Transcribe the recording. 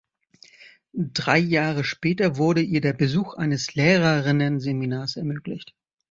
Drei Jahre später wurde ihr der Besuch eines Lehrerinnenseminars ermöglicht.